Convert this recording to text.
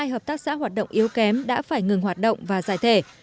một mươi hai hợp tác xã hoạt động yếu kém đã phải ngừng hoạt động và giải thể